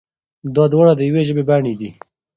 دا دواړه د يوې ژبې بڼې دي.